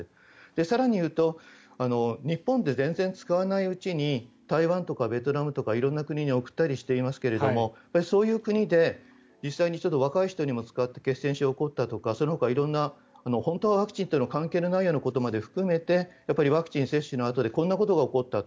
更に言うと日本で全然使わないうちに台湾とかベトナムとか色んな国に送ったりしていますけれどもそういう国で実際に若い人にも使って血栓症が起こったとかそのほか色んな本当はワクチンと関係ないようなことも含めてワクチン接種のあとでこんなことが起こったと。